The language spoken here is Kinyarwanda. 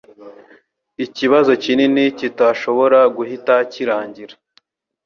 Ikibazo kinini kitashobora guhita kirangira